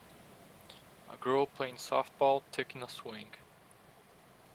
A girl playing softball, taking a swing.